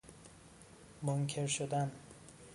منکر شدن